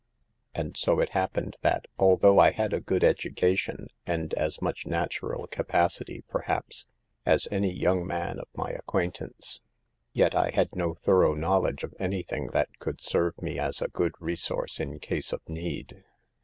And so it happened that, although I had a good education, and as much natural capacity, perhaps, as any young man of my acquaintance, yet I had no thorough knowl edge of anything that could serve me as a good resource in case of need.